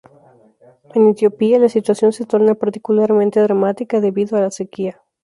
En Etiopía la situación se torna particularmente dramática debido a la sequía.